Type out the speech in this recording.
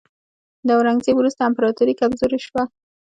د اورنګزیب وروسته امپراتوري کمزورې شوه.